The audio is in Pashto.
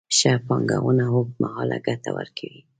ښه پانګونه اوږدمهاله ګټه ورکوي.